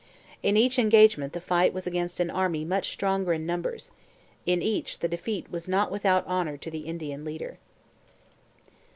In each engagement the fight was against an army much stronger in numbers; in each the defeat was not without honour to the Indian leader.